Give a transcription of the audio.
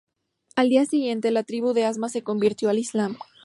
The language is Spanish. Al día siguiente, la tribu de Asma se convirtió al islam.